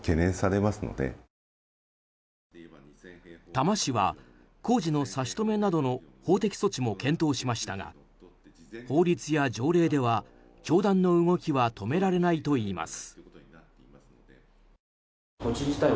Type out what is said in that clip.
多摩市は工事の差し止めなどの法的措置も検討しましたが法律や条例では、教団の動きは止められないといいます。